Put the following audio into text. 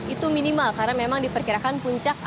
itu minimal karena memang diperkirakan puncak